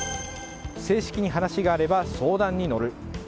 正式に話があれば相談に乗る。